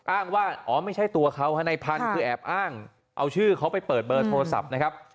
อ้างว่าอ๋อไม่ใช่ตัวเขาฮะในพันธุ์คือแอบอ้างเอาชื่อเขาไปเปิดเบอร์โทรศัพท์นะครับ